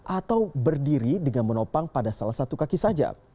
atau berdiri dengan menopang pada salah satu kaki saja